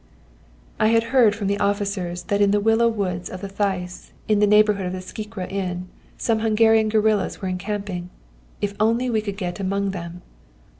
"I had heard from the officers that in the willow woods of the Theiss, in the neighbourhood of the 'Szikra' inn, some Hungarian guerillas were encamping. If only we could get among them!